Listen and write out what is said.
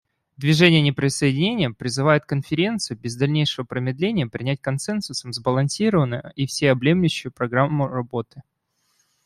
Движение неприсоединения призывает Конференцию без дальнейшего промедления принять консенсусом сбалансированную и всеобъемлющую программу работы.